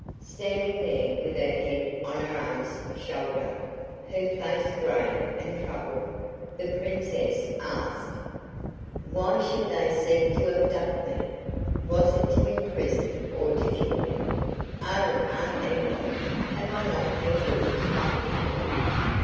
Standing there with her head on her aunt's shoulder, her face grave and troubled, the Princess asked: "Why should they seek to abduct me? Was it to imprison or to kill me? Oh, Aunt Yvonne, have I not been good to my people?